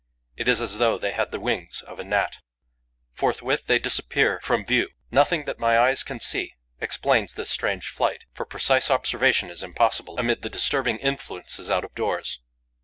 It is as though they had the wings of a Gnat. Forthwith they disappear from view. Nothing that my eyes can see explains this strange flight; for precise observation is impossible amid the disturbing influences out of doors.